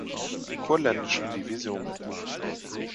Kurländischen Division berufen.